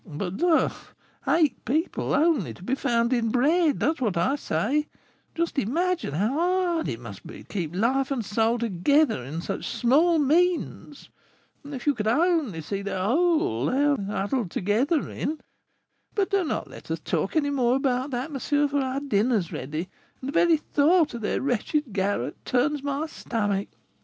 But, la! Eight people only to be found in bread, that is what I say, just imagine how hard it must be to keep life and soul together upon such small means; and if you could only see the hole they are all huddled together in But do not let us talk any more about that, monsieur, for our dinner is ready, and the very thought of their wretched garret turns my stomach.